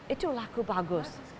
itu laku bagus